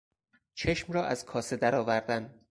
چشم را از کاسه در آوردن